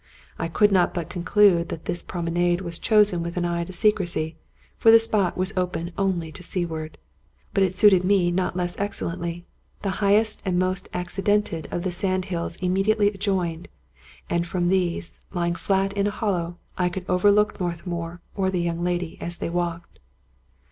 I could not but conclude that this promenade was chosen with an eye to secrecy; for the spot was open only to seaward. But it suited me not less excellently; the highest and most accidented of the sand hills immediately adjoined; and from these, lying flat in a hollow, I could overlook Northmour or the young lady as they walked.